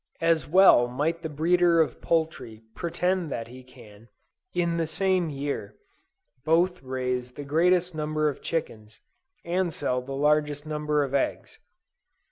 As well might the breeder of poultry pretend that he can, in the same year, both raise the greatest number of chickens, and sell the largest number of eggs.